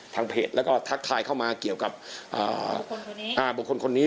เพจแล้วก็ทักทายเข้ามาเกี่ยวกับบุคคลคนนี้